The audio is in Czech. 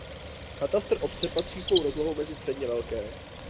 Katastr obce patří svou rozlohou mezi středně velké.